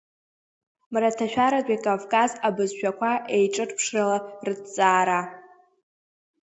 Мраҭашәаратәи Кавказ абызшәақәа еиҿырԥшрала рыҭҵаара.